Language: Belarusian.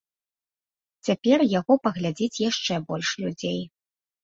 Цяпер яго паглядзіць яшчэ больш людзей.